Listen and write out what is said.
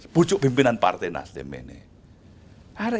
pucuk pimpinan partai nasdem ini